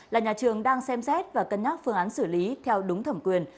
là nhà trường đang xem xét và cân nhắc phương án xử lý theo đúng thẩm quyền